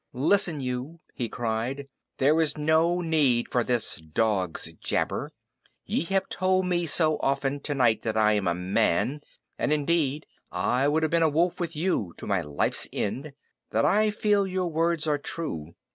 "Listen you!" he cried. "There is no need for this dog's jabber. Ye have told me so often tonight that I am a man (and indeed I would have been a wolf with you to my life's end) that I feel your words are true.